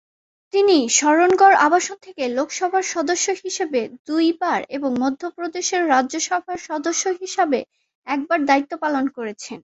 তিনি শরণগড় আসন থেকে লোকসভার সদস্য হিসাবে দুইবার এবং মধ্যপ্রদেশের রাজ্যসভার সদস্য হিসাবে একবার দায়িত্ব পালন করেছেন।